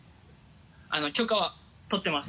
許可は取ってます！